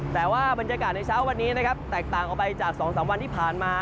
แต่ว่าบรรยากาศในเช้าวันนี้นะครับแตกต่างออกไปจาก๒๓วันที่ผ่านมา